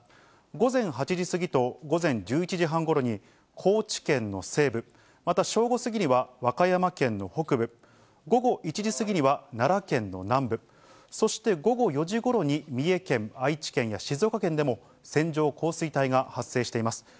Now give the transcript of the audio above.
午前８時過ぎと午前１１時半ごろに、高知県の西部、また正午過ぎには和歌山県の北部、午後１時過ぎには奈良県の南部、そして午後４時ごろに三重県、愛知県や静岡県でも線状降水帯が発生しています。